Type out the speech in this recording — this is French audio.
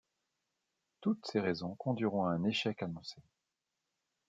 Toutes ces raisons conduiront à un échec annoncé.